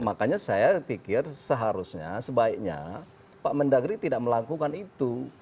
makanya saya pikir seharusnya sebaiknya pak mendagri tidak melakukan itu